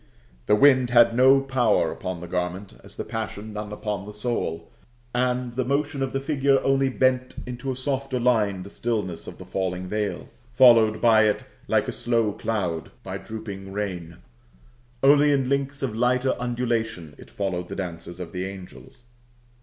The wind had no power upon the garment, as the passion none upon the soul; and the motion of the figure only bent into a softer line the stillness of the falling veil, followed by it like a slow cloud by drooping rain: only in links of lighter undulation it followed the dances of the angels.